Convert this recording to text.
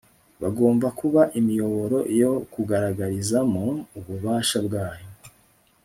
bagomba kuba imiyoboro yo kugaragarizamo ububasha bwayo